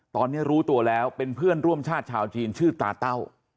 ตอนนี้รู้ตัวแล้วเป็นเพื่อนร่วมชาติชาวจีนชื่อตาเต้า